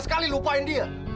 siapa yang benar reid